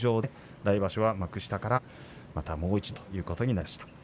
来場所は幕下から、またもう一度ということになりました。